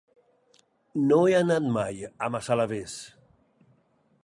No he anat mai a Massalavés.